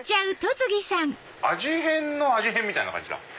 味変の味変みたいな感じ。